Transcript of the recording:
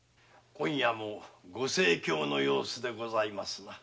今夜もご盛況の様子でございますな。